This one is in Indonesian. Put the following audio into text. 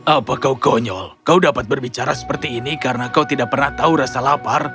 apa kau konyol kau dapat berbicara seperti ini karena kau tidak pernah tahu rasa lapar